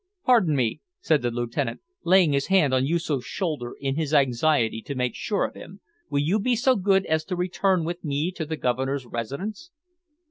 "Pardon me," said the lieutenant laying his hand on Yoosoof's shoulder in his anxiety to make sure of him, "will you be so good as to return with me to the Governor's residence?"